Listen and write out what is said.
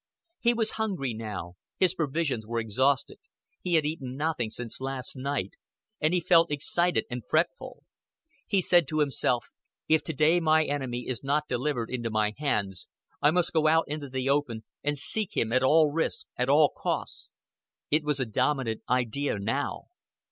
He was hungry now. His provisions were exhausted; he had eaten nothing since last night, and he felt excited and fretful. He said to himself: "If to day my enemy is not delivered into my hands, I must go out into the open and seek him at all risks, at all costs." It was a dominant idea now.